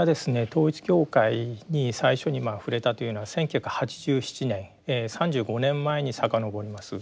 統一教会に最初に触れたというのは１９８７年３５年前に遡ります。